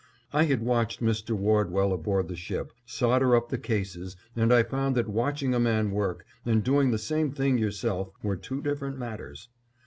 I had watched Mr. Wardwell aboard the ship solder up the cases and I found that watching a man work, and doing the same thing yourself, were two different matters.